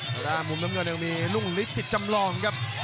มุมม่าน่งยันยังมีลุงลิสต์จำลองครับ